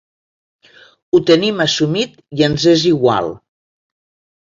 Ho tenim assumit i ens és igual.